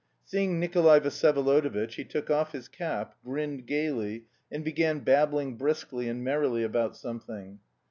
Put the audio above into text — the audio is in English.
Seeing Nikolay Vsyevolodovitch he took off his cap, grinned gaily, and began babbling briskly and merrily about something.